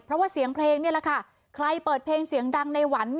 เพราะว่าเสียงเพลงนี่แหละค่ะใครเปิดเพลงเสียงดังในหวัน